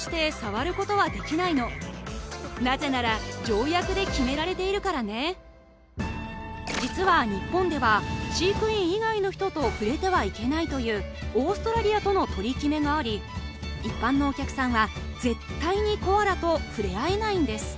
マーベラスすぎるコアラのだっこ体験しかも実は日本では飼育員以外の人と触れてはいけないというオーストラリアとの取り決めがあり一般のお客さんは絶対にコアラと触れ合えないんです